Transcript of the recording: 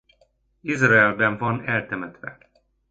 Izraelben van eltemetve.